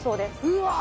うわ。